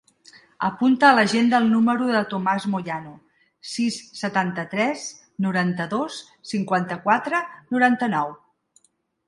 Apunta a l'agenda el número del Tomàs Moyano: sis, setanta-tres, noranta-dos, cinquanta-quatre, noranta-nou.